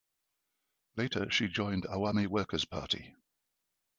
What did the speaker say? Later she joined Awami Workers Party.